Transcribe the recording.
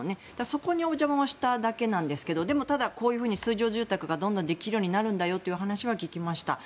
そこにお邪魔をしただけなんですがでも、こういうふうに水上住宅がどんどんできるんだよという話は聞きました。